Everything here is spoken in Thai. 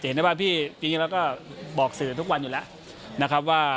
จะเห็นได้ป่ะพี่จริงแล้วก็บอกสื่อทุกวันอยู่แล้วนะครับว่า